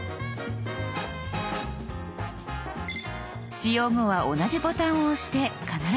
使用後は同じボタンを押して必ず消しましょう。